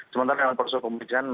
sementara dengan perusahaan pemerintahan